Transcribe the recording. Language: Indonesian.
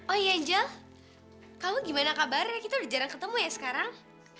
oh ya angel kamu gimana kabarnya kita udah jarang ketemu ya sekarang